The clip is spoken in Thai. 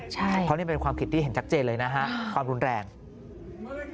เพราะนี่เป็นความผิดที่เห็นชัดเจนเลยนะฮะความรุนแรง